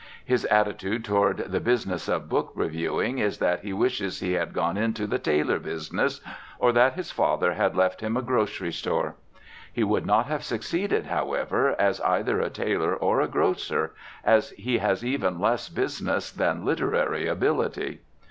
His attitude toward the business of book reviewing is that he wishes he had gone into the tailor business or that his father had left him a grocery store. He would not have succeeded, however, as either a tailor or a grocer, as he has even less business than literary ability.